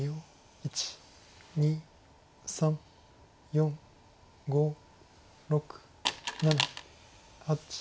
１２３４５６７８。